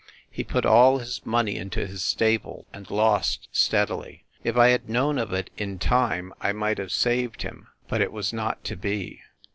He put all his money into his stable and lost steadily. If I had known of it in time, I might have saved him ... but it was not to be.